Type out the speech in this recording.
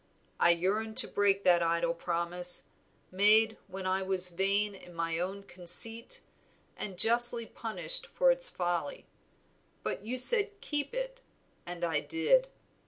I yearned to break that idle promise, made when I was vain in my own conceit, and justly punished for its folly; but you said keep it, and I did.